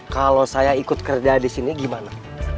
kalau saya ikut kerja di sini gimana